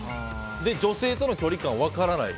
女性との距離感、分からない。